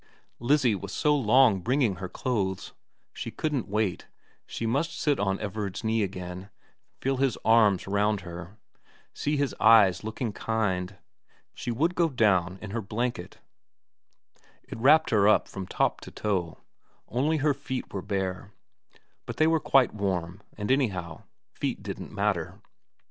Lizzie was so long bringing her clothes ; she couldn't wait, she must sit on Everard's knee again, feel his arms round her, see his eyes looking kind. She would go down in her blanket. It wrapped her up from top to toe. Only her feet were bare ; but they were quite warm, and anyhow feet didn't matter.